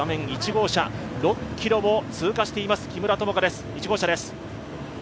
１号車、６ｋｍを通過しています、木村友香です。